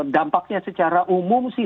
dampaknya secara umum sih